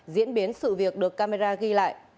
diễn biến sự việc được camera ghi lại